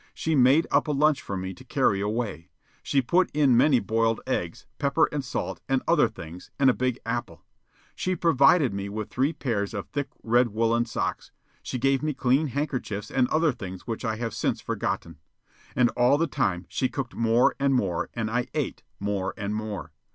She made up a lunch for me to carry away. She put in many boiled eggs, pepper and salt, and other things, and a big apple. She provided me with three pairs of thick red woollen socks. She gave me clean handkerchiefs and other things which I have since forgotten. And all the time she cooked more and more and I ate more and more.